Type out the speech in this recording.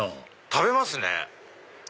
食べます！